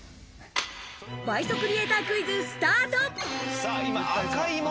倍速クリエイタークイズ、スタート。